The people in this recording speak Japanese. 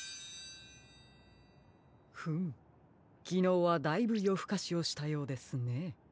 フムきのうはだいぶよふかしをしたようですね。